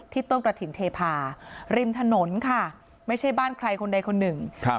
ต้นกระถิ่นเทพาริมถนนค่ะไม่ใช่บ้านใครคนใดคนหนึ่งครับ